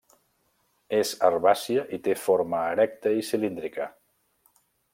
És herbàcia i té forma erecta i cilíndrica.